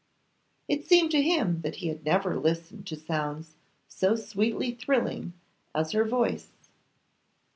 It seemed to him that he had never listened to sounds so sweetly thrilling as her voice.